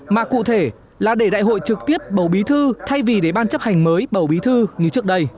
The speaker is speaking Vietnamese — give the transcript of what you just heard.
mà cụ thể là để đại hội trực tiếp bầu bí thư thay vì để ban chấp hành mới bầu bí thư như trước đây